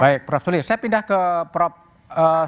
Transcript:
baik prof tulis saya pindah ke prof